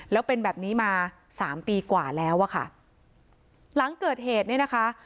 แล้วเป็นแบบนี้มาสามปีกว่าแล้วอะค่ะหลังเกิดเหตุเนี่ยนะคะ